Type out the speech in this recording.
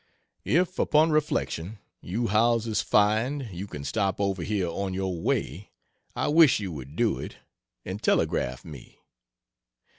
If, upon reflection, you Howellses find, you can stop over here on your way, I wish you would do it, and telegraph me.